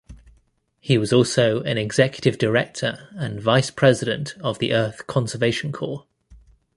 He was also an executive director and vice president of the Earth Conservation Corps.